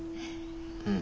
うん。